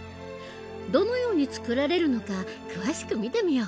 どのように作られるのか詳しく見てみよう！